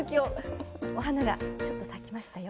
お花がちょっと咲きましたよ